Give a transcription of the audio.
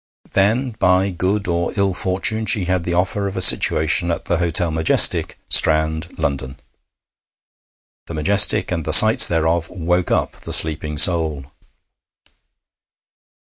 Then by good or ill fortune she had the offer of a situation at the Hôtel Majestic, Strand, London. The Majestic and the sights thereof woke up the sleeping soul.